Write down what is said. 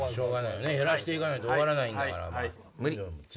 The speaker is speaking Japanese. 減らしていかないと終わらないんだから。